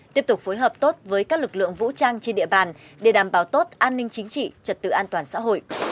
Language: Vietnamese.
tiếp tục phối hợp tốt với các lực lượng vũ trang trên địa bàn để đảm bảo tốt an ninh chính trị trật tự an toàn xã hội